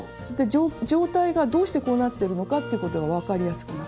状態がどうしてこうなってるのかっていうことが分かりやすくなる。